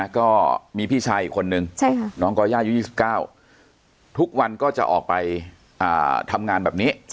ก็มีพี่ชายอีกคนนึงน้องก่อย่าอายุ๒๙ทุกวันก็จะออกไปทำงานแบบนี้